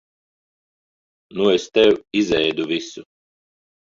Nu es tev izēdu visu.